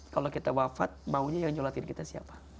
kalau kita wafat maunya yang nyulatin kita siapa